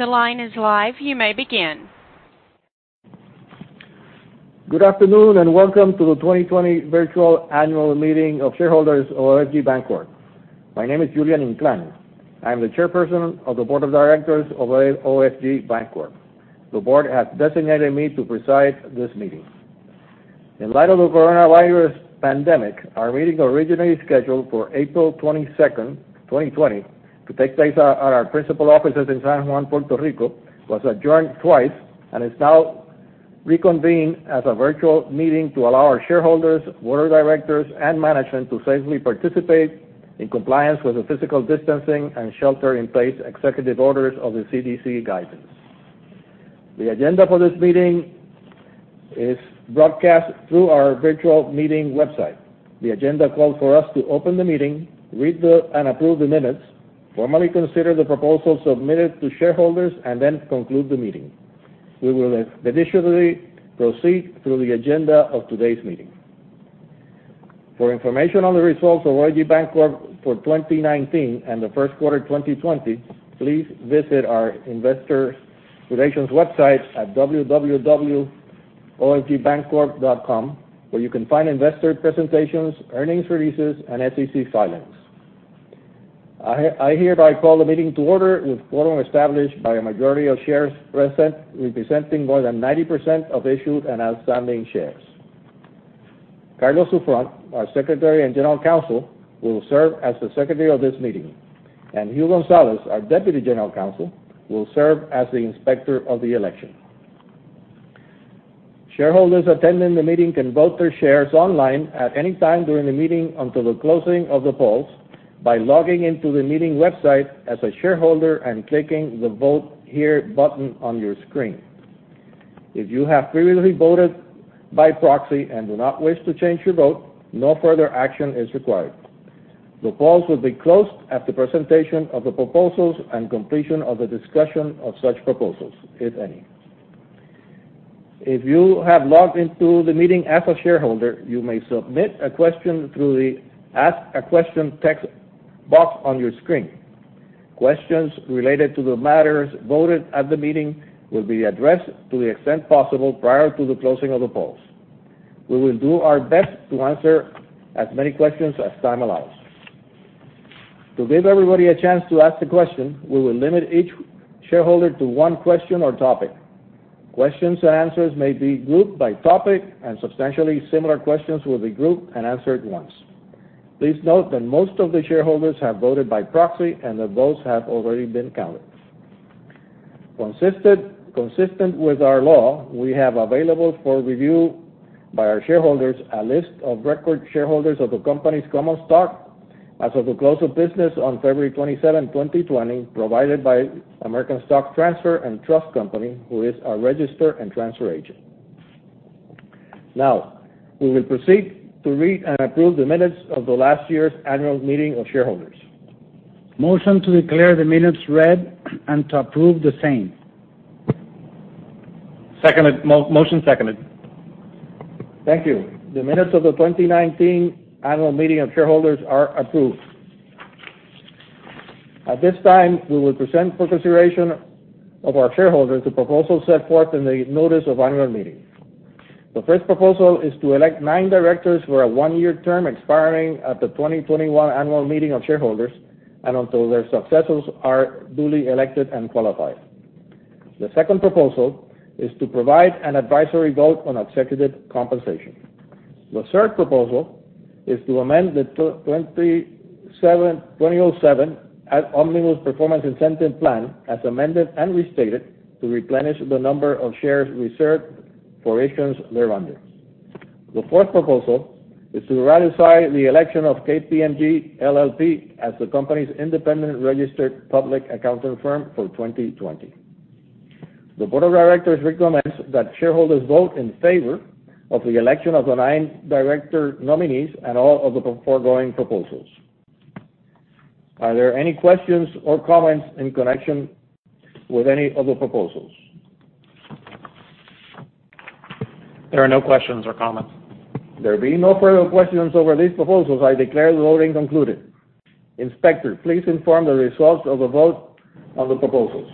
The line is live. You may begin. Good afternoon, and welcome to the 2020 virtual annual meeting of shareholders of OFG Bancorp. My name is Julian Inclán. I'm the chairperson of the board of directors of OFG Bancorp. The board has designated me to preside this meeting. In light of the coronavirus pandemic, our meeting, originally scheduled for April 22nd, 2020, to take place at our principal offices in San Juan, Puerto Rico, was adjourned twice and is now reconvened as a virtual meeting to allow our shareholders, board of directors, and management to safely participate in compliance with the physical distancing and shelter-in-place executive orders of the CDC guidance. The agenda for this meeting is broadcast through our virtual meeting website. The agenda calls for us to open the meeting, read and approve the minutes, formally consider the proposals submitted to shareholders, and then conclude the meeting. We will additionally proceed through the agenda of today's meeting. For information on the results of OFG Bancorp for 2019 and the first quarter of 2020, please visit our investor relations website at www.ofgbancorp.com, where you can find investor presentations, earnings releases, and SEC filings. I hereby call the meeting to order with a quorum established by a majority of shares present, representing more than 90% of issued and outstanding shares. Carlos Souffront, our secretary and general counsel, will serve as the secretary of this meeting, and Hugh González, our deputy general counsel, will serve as the inspector of the election. Shareholders attending the meeting can vote their shares online at any time during the meeting until the closing of the polls by logging into the meeting website as a shareholder and clicking the Vote Here button on your screen. If you have previously voted by proxy and do not wish to change your vote, no further action is required. The polls will be closed after presentation of the proposals and completion of the discussion of such proposals, if any. If you have logged into the meeting as a shareholder, you may submit a question through the Ask a Question text box on your screen. Questions related to the matters voted at the meeting will be addressed to the extent possible prior to the closing of the polls. We will do our best to answer as many questions as time allows. To give everybody a chance to ask a question, we will limit each shareholder to one question or topic. Questions and answers may be grouped by topic, and substantially similar questions will be grouped and answered once. Please note that most of the shareholders have voted by proxy and that votes have already been counted. Consistent with our law, we have available for review by our shareholders a list of record shareholders of the company's common stock as of the close of business on February 27, 2020, provided by American Stock Transfer & Trust Company, who is our registrar and transfer agent. We will proceed to read and approve the minutes of last year's annual meeting of shareholders. Motion to declare the minutes read and to approve the same. Motion seconded. Thank you. The minutes of the 2019 annual meeting of shareholders are approved. At this time, we will present for the consideration of our shareholders the proposals set forth in the notice of annual meeting. The first proposal is to elect nine directors for a one-year term expiring at the 2021 annual meeting of shareholders and until their successors are duly elected and qualified. The second proposal is to provide an advisory vote on executive compensation. The third proposal is to amend the 2007 Omnibus Performance Incentive Plan, as amended and restated, to replenish the number of shares reserved for issuance thereunder. The fourth proposal is to ratify the election of KPMG LLP as the company's independent registered public accounting firm for 2020. The board of directors recommends that shareholders vote in favor of the election of the nine director nominees and all of the foregoing proposals. Are there any questions or comments in connection with any of the proposals? There are no questions or comments. There being no further questions over these proposals, I declare the voting concluded. Inspector, please inform the results of the vote on the proposals.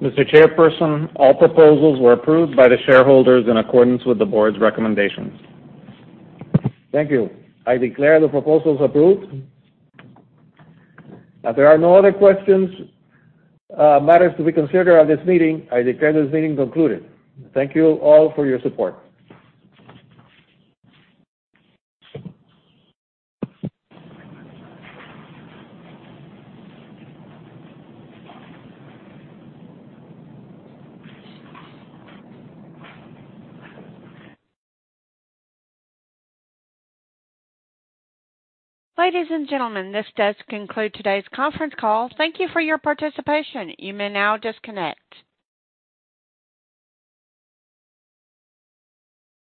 Mr. Chairperson, all proposals were approved by the shareholders in accordance with the Board's recommendations. Thank you. I declare the proposals approved. As there are no other matters to be considered at this meeting, I declare this meeting concluded. Thank you all for your support. Ladies and gentlemen, this does conclude today's conference call. Thank you for your participation. You may now disconnect.